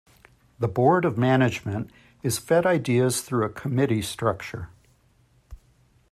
The Board of Management is fed ideas through a committee structure.